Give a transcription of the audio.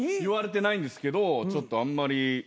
言われてないんですけどちょっとあんまり。